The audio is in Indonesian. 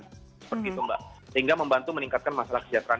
seperti itu mbak sehingga membantu meningkatkan masalah kesejahteraan